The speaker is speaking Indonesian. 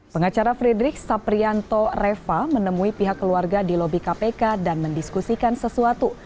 pengacara frederick saprianto reva menemui pihak keluarga di lobi kpk dan mendiskusikan sesuatu